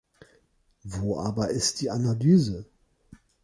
Wo aber ist die Analyse?